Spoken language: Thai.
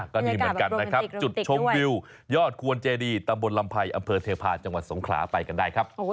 ก็ดีเหมือนกันนะครับจุดชมวิวยอดควรเจดีตำบลลำไพรอำเภอเทพาะจังหวัดสงขลาไปกันได้ครับ